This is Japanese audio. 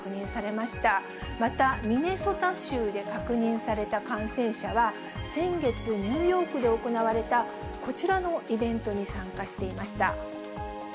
また、ミネソタ州で確認された感染者は、先月、ニューヨークで行われたこちらのイベントに参加していました。